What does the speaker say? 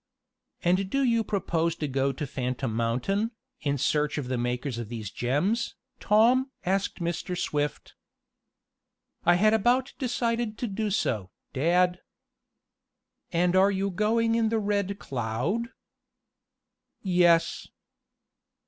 "And do you propose to go to Phantom Mountain, in search of the makers of these gems, Tom?" asked Mr. Swift. "I had about decided to do so, dad." "And you're going in the Red Cloud?' "Yes."